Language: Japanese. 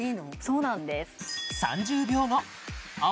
そうなんです